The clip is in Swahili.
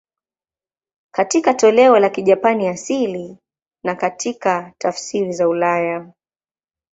Katika toleo la Kijapani asili na katika tafsiri za ulaya.